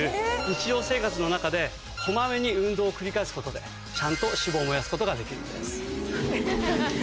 日常生活の中でこまめに運動を繰り返すことでちゃんと脂肪を燃やすことができるんです。